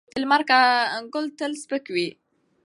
د لمر ګل تېل سپک وي.